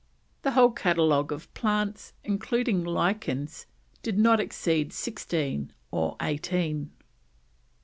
The whole catalogue of plants, including lichens, did not exceed sixteen or eighteen.